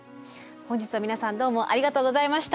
本日は皆さんどうもありがとうございました。